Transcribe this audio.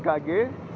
siklon tropis dahlia